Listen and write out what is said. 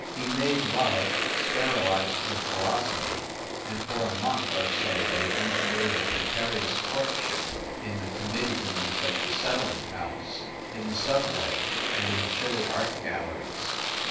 He made love, sterilized with philosophy, and for a month or so they engineered a precarious courtship, in the committee rooms of the Settlement House, in the subway and in chilly art galleries.